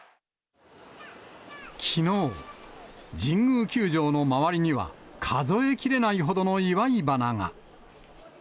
きのう、神宮球場の周りには、数え切れないほどの祝花が。